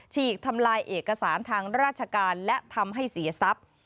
ฉีกทำลายเอกสารทางราชการและทำให้เสียทรัพย์